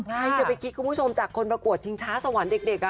ใครจะไปคิดคุณผู้ชมจากคนประกวดชิงช้าสวรรค์เด็ก